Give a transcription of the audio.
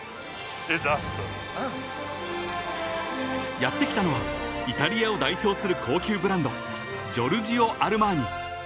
［やって来たのはイタリアを代表する高級ブランドジョルジオアルマーニ］